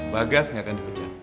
bagas gak akan dipecat